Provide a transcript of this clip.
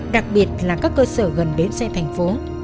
đặc biệt là các cơ sở gần bến xe thành phố